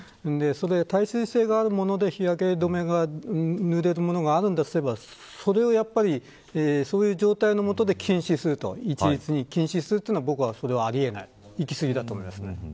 耐水性があるもので日焼け止めが塗れるものがあるんだったらそういう状態の元で一律に禁止するというのはあり得ない、行き過ぎだと思います。